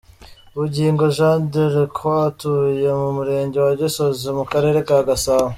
Bugingo Jean de la Croix atuye mu Murenge wa Gisozi mu Karere ka Gasabo.